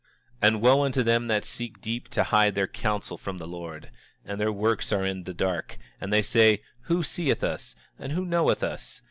27:27 And wo unto them that seek deep to hide their counsel from the Lord! And their works are in the dark; and they say: Who seeth us, and who knoweth us?